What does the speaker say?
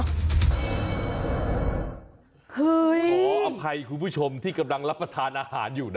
ขออภัยคุณผู้ชมที่กำลังรับประทานอาหารอยู่นะ